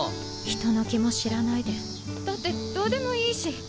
人の気も知らないでだってどうでもいいし。